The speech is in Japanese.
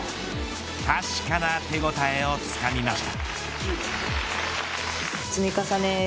確かな手応えをつかみました。